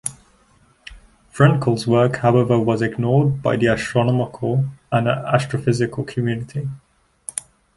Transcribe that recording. Frenkel's work, however, was ignored by the astronomical and astrophysical community.